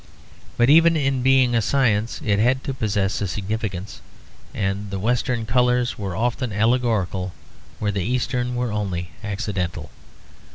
But even in being a science it had to possess a significance; and the Western colours were often allegorical where the Eastern were only accidental.